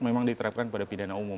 memang diterapkan pada pidana umum